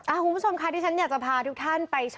คุณผู้ชมค่ะที่ฉันอยากจะพาทุกท่านไปชม